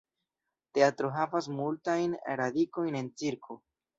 Teatro havas multajn radikojn en cirko.